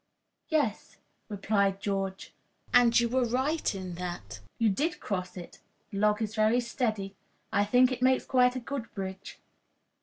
"Yes," replied George, "and you were right in that. You did cross it. The log is very steady. I think it makes quite a good bridge."